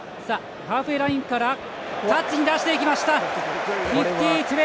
ハーフウェーラインからタッチ出していきました。